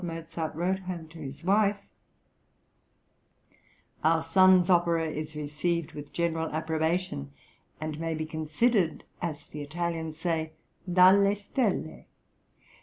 Mozart wrote home to his wife: Our son's opera is received with general approbation, and may be considered, as the Italians say, dalle stelle.